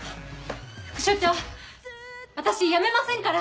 副署長私辞めませんから！